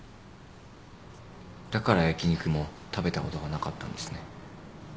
だから焼き肉も食べたことがなかったんですね。